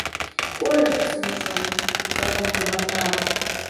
- КӀуэж, псынщӀэу, закъыумыгъэлъагъу!